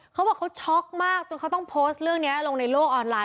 เขาบอกเขาช็อกมากจนเขาต้องโพสต์เรื่องนี้ลงในโลกออนไลน